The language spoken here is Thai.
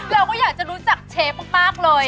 เราก็อยากจะรู้จักเชฟมากเลย